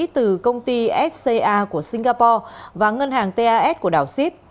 từ công ty sca của singapore và ngân hàng tas của đảo sip